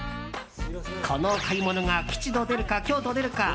この買い物が吉と出るか凶と出るか。